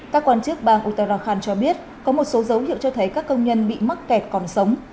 các quan chức bang uttarakhand cho biết có một số dấu hiệu cho thấy các công nhân bị mắc kẹt còn sống